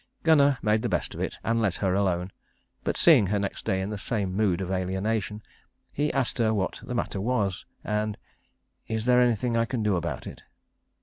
Gunnar made the best of it, and let her alone; but seeing her next day in the same mood of alienation, he asked her what the matter was, and "Is there anything I can do about it?"